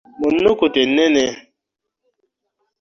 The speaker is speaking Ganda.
Mu nnukuta ennene.